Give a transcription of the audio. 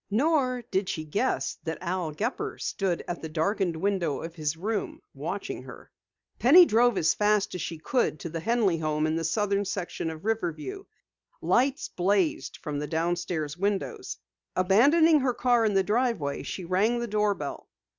Nor did she guess that Al Gepper stood at the darkened window of his room, watching her. Penny drove as fast as she could to the Henley home in the southern section of Riverview. Lights blazed from the downstairs windows. Abandoning her car in the driveway, she rang the doorbell.